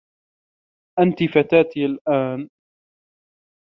انتِ فتاتي الآن.